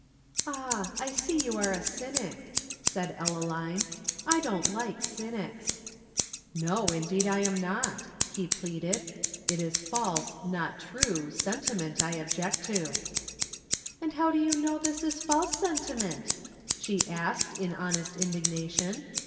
"Ah, I see you're a cynic," said Ellaline. "I don't like cynics." "No, indeed, I am not," he pleaded. "It is false, not true, sentiment I object to." "And how do you know this is false sentiment?" she asked in honest indignation.